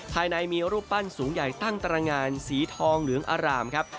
ในมีรูปปั้นสูงใหญ่ตั้งตรงานสีทองเหลืองอารามครับ